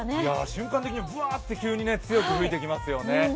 瞬間的にブワーッて級に強く吹いてきますよね。